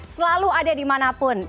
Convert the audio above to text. selalu ada dimanapun